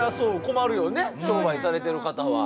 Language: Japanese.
困るよね商売されてる方は。